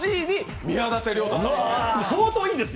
相当いいですよ。